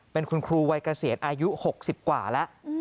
เป็นคุณครูวัยเกษียณอายุ๖๐กว่าแล้ว